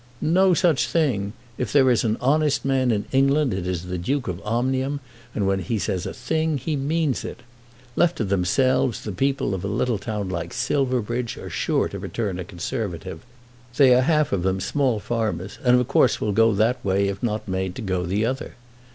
"No such thing! If there is an honest man in England it is the Duke of Omnium, and when he says a thing he means it. Left to themselves, the people of a little town like Silverbridge are sure to return a Conservative. They are half of them small farmers, and of course will go that way if not made to go the other.